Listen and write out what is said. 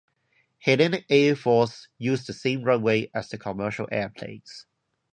Hellenic Air Force uses the same runway as the commercial airplanes.